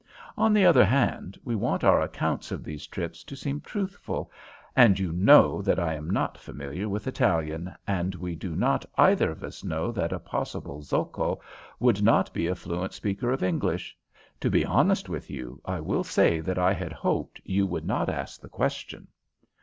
On the other hand, we want our accounts of these trips to seem truthful, and you know that I am not familiar with Italian, and we do not either of us know that a possible Zocco would not be a fluent speaker of English. To be honest with you, I will say that I had hoped you would not ask the question."